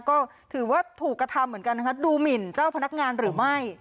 ก็ถือว่าถูกกระทำเหมือนกันนะคะดูหมินเจ้าพนักงานหรือไม่